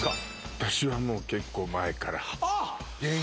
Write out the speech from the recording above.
私はもう結構前からあっ！